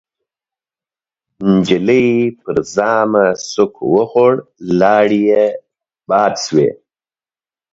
نجلۍ پر ژامه سوک وخوړ، لاړې يې باد شوې.